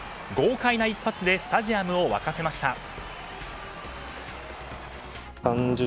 豪快な一発でスタジアムを沸かせました。